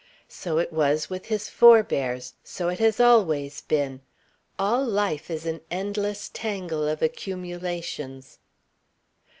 So it was with his forebears. So it has always been. All life is an endless tangle of accumulations."